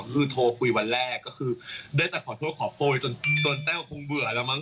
คือโทรคุยวันแรกก็คือได้แต่ขอโทษขอโพยจนแต้วคงเบื่อแล้วมั้